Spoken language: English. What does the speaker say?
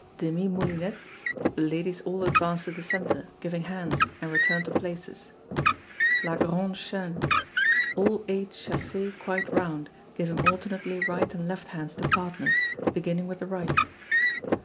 Demie Moulinet. The ladies all advance to the centre, giving hands, and return to places. La Grande Chaine. All eight chassez quite round, giving alternately right and left hands to partners, beginning with the right.